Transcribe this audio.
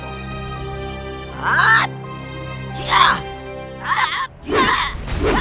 budi penuh lupa